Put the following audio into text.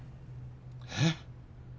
えっ？